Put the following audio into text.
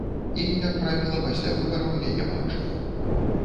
І, як правіла, пасля выбараў яе бачым.